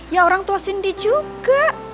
ya orang tua cindy juga